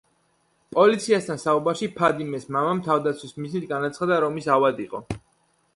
პოლიციასთან საუბარში, ფადიმეს მამამ თავდაცვის მიზნით განაცხადა, რომ ის ავად იყო.